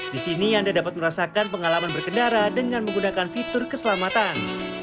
di sini anda dapat merasakan pengalaman berkendara dengan menggunakan fitur keselamatan